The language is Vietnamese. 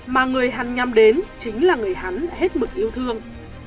mà người hắn nhắm đến chính là người hắn hết mực yêu thương